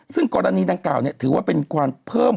ซึ่งกรณีดังกล่าวถือว่าเป็นความเพิ่ม